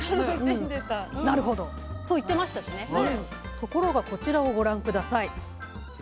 ところがこちらをご覧下さい。